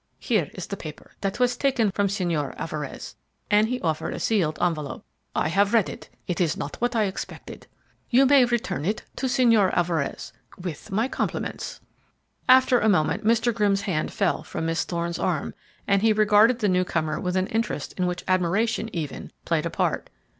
Here is the paper that was taken from Señor Alvarez," and he offered a sealed envelope. "I have read it; it is not what I expected. You may return it to Señor Alvarez with my compliments." After a moment Mr. Grimm's hand fell away from Miss Thorne's arm, and he regarded the new comer with an interest in which admiration, even, played a part.